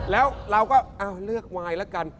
แล้วเราก็เลือกวายแล้วกัน